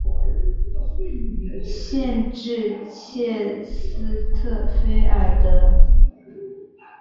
县治切斯特菲尔德。